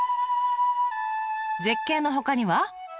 絶景のほかには？